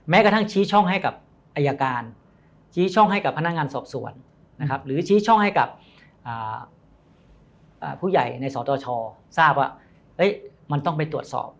กระทั่งชี้ช่องให้กับอายการชี้ช่องให้กับพนักงานสอบสวนนะครับหรือชี้ช่องให้กับผู้ใหญ่ในสตชทราบว่ามันต้องไปตรวจสอบ